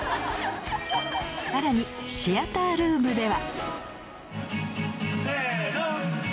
さらにシアタールームでは